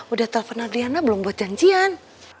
udah telfon adriana belum buat janjian